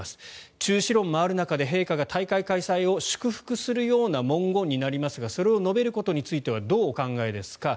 中止論もある中で陛下が大会開催を祝福するような文言になりますがそれを述べることについてはどうお考えですか？